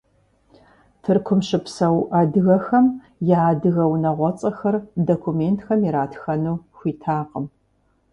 Тыркум щыпсэу адыгэхэм я адыгэ унагъуэцӀэхэр документхэм иратхэну хуитакъым.